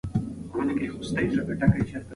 ایا ته د پښتو ژبې ادبیات لولي؟